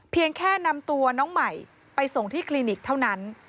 เพียงแค่นำตัวน้องใหม่ไปส่งที่คลินิกเท่านั้น